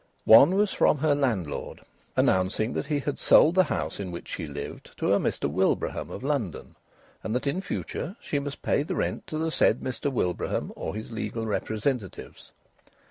One was from her landlord, announcing that he had sold the house in which she lived to a Mr Wilbraham of London, and that in future she must pay the rent to the said Mr Wilbraham or his legal representatives.